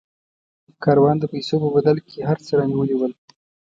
کاروان د پیسو په بدل کې هر څه رانیولي ول.